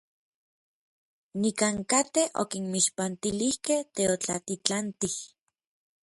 Nikankatej okinmixpantilijkej teotlatitlantij.